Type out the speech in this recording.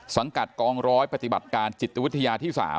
สังกัดกองร้อยปฏิบัติการจิตวิทยาที่๓